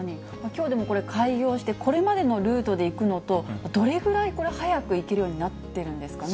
きょう、これ開業して、これまでのルートで行くのと、どれぐらいはやく行けるようになっているんですかね。